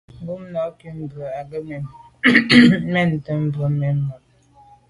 Ngômnà' cúp mbə̄ á gə̀ mə̄ vwá' mɛ́n gə ̀tá bû mɛ́n bû máàp.